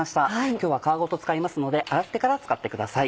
今日は皮ごと使いますので洗ってから使ってください。